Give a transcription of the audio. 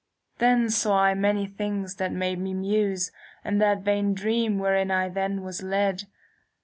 " Then saw I many things that made me muse In that vain dream wherein I then was led.